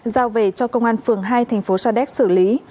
giao về cho công an phường hai thành phố sa đéc xử lý